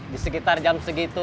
di sekitar jam segitu